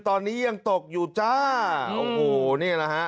ตอนนี้ยังตกอยู่จ้าโอ้โหนี่แหละฮะ